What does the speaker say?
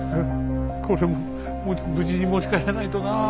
これ無事に持ち帰らないとなあ。